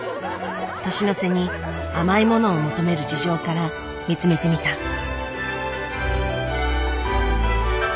年の瀬に甘いものを求める事情から見つめてみた。